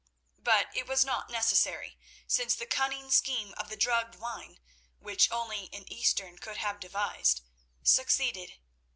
But it was not necessary, since the cunning scheme of the drugged wine, which only an Eastern could have devised, succeeded.